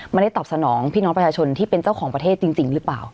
ตอบสนองพี่น้องประชาชนที่เป็นเจ้าของประเทศจริงหรือเปล่า